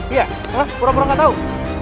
iya pura pura ga tau